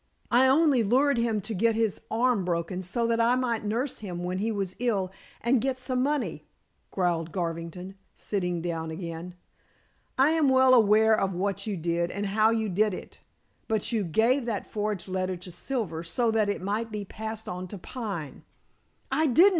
"I only lured him to get his arm broken so that I might nurse him when he was ill and get some money," growled Garvington, sitting down again. "I am well aware of what you did and how you did it. But you gave that forged letter to Silver so that it might be passed on to Pine." "I didn't!